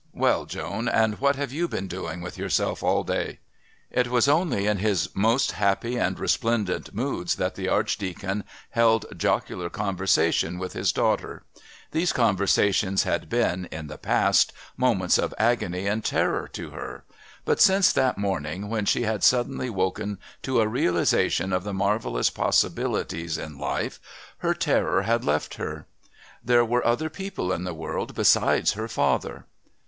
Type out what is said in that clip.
Well, Joan, and what have you been doing with yourself all day?" It was only in his most happy and resplendent moods that the Archdeacon held jocular conversations with his daughter. These conversations had been, in the past, moments of agony and terror to her, but since that morning when she had suddenly woken to a realisation of the marvellous possibilities in life her terror had left her. There were other people in the world besides her father....